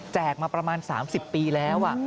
มาประมาณ๓๐ปีแล้ว